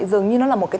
dường như nó là một cái